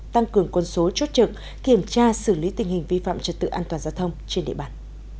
tăng cường quân số chốt trực kiểm tra xử lý tình hình vi phạm trật tự an toàn giao thông trên địa bàn